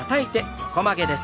横曲げです。